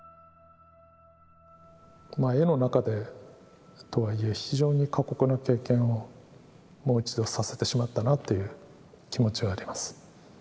まあ絵の中でとはいえ非常に過酷な経験をもう一度させてしまったなという気持ちはあります。